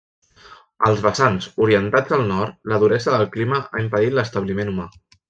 Als vessants orientats al nord la duresa del clima ha impedit l'establiment humà.